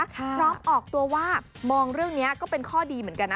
ออกตัวว่ามองเรื่องนี้ก็เป็นข้อดีเหมือนกันนะ